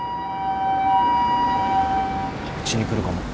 ・うちに来るかも。